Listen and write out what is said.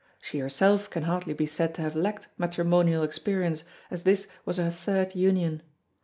She herself can hardly be said to have lacked matrimonial experience, as this was her third union.